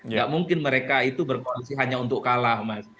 nggak mungkin mereka itu berkoalisi hanya untuk kalah mas